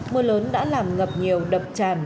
mưa lớn đã làm ngập nhiều đập tràn